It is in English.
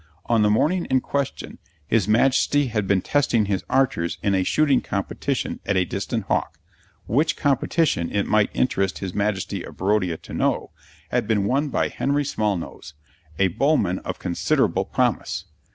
On the morning in question, his Majesty had been testing his archers in a shooting competition at a distant hawk; which competition, it might interest his Majesty of Barodia to know, had been won by Henry Smallnose, a bowman of considerable promise.